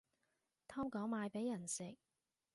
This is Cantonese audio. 偷狗賣畀人食